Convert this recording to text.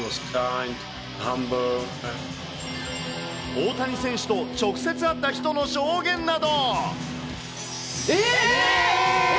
大谷選手と直接会った人の証えー！